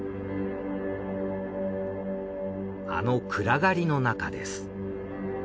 あの暗がりの中です。